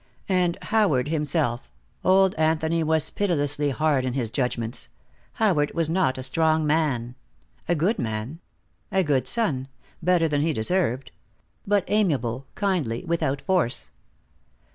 And Howard himself old Anthony was pitilessly hard in his judgments Howard was not a strong man. A good man. A good son, better than he deserved. But amiable, kindly, without force.